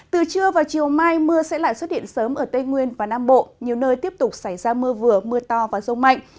từ trưa và chiều mai mưa sẽ lại xuất hiện sớm ở tây nguyên và nam bộ nhiều nơi tiếp tục xảy ra mưa vừa mưa to và rông mạnh